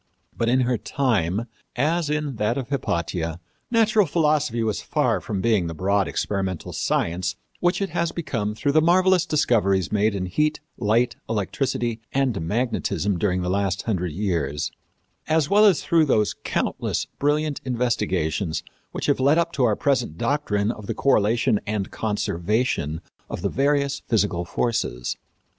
But in her time, as in that of Hypatia, natural philosophy was far from being the broad experimental science which it has become through the marvelous discoveries made in heat, light, electricity and magnetism during the last hundred years, as well as through those countless brilliant investigations which have led up to our present doctrine of the correlation and conservation of the various physical forces.